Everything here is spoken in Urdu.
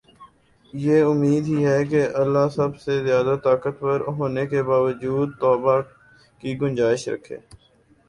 یہ امید ہی ہے کہ اللہ سب سے زیادہ طاقتور ہونے کے باوجود توبہ کی گنجائش رکھے